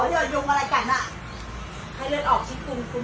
โยงอะไรกันอ่ะให้เลือกออกชิคกรุมคุณ